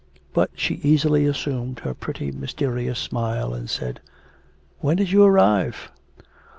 But she easily assumed her pretty mysterious smile and said: 'When did you arrive?'